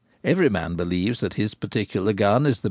Every man believes that his particular gun is the Wild Geese.